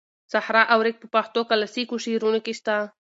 صحرا او ریګ په پښتو کلاسیکو شعرونو کې شته.